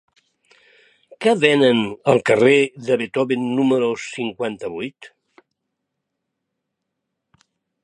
Què venen al carrer de Beethoven número cinquanta-vuit?